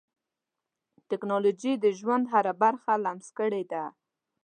ټکنالوجي د ژوند هره برخه لمس کړې ده.